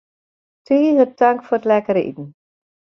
Tige tank foar it lekkere iten.